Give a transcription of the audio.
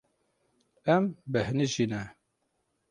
Em bêhnijî ne.